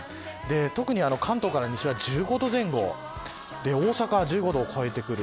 特に関東から西は１５度前後大阪は１５度を超えてくる。